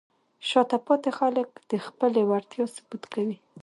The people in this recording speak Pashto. شاته پاتې خلک د خپلې وړتیا ثبوت کوي.